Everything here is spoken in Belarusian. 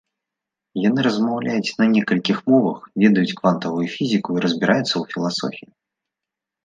Яны размаўляюць на некалькіх мовах, ведаюць квантавую фізіку і разбіраюцца ў філасофіі.